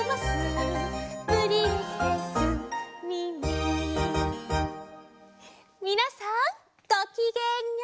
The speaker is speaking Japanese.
「プリンセスミミィ」みなさんごきげんよう！